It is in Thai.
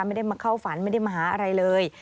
ไม่ได้มาเข้าฝันไม่ได้มาหาอะไรเลย